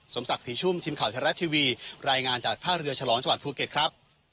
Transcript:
ศักดิ์ศรีชุ่มทีมข่าวไทยรัฐทีวีรายงานจากท่าเรือฉลองจังหวัดภูเก็ตครับ